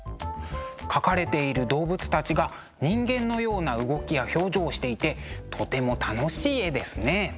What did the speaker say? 描かれている動物たちが人間のような動きや表情をしていてとても楽しい絵ですね。